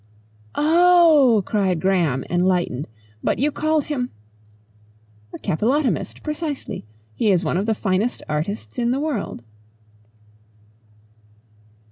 "Oh!" cried Graham enlightened. "But you called him " "A capillotomist precisely! He is one of the finest artists in the world."